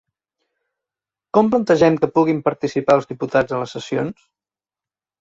Com plantegen que puguin participar els diputats a les sessions?